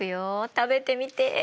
食べてみて。